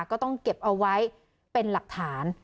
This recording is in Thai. ก็ต้องเก็บเอาไว้เป็นหลักฐาน